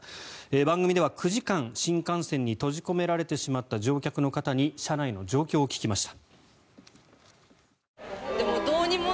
番組では９時間新幹線に閉じ込められてしまった乗客の方に車内の状況を聞きました。